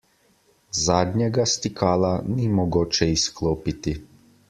Zadnjega stikala ni mogoče izklopiti.